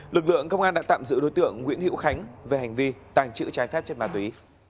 lực lượng công an đã tạm giữ đối tượng nguyễn hữu khánh về hành vi tàng trữ trái phép chất ma túy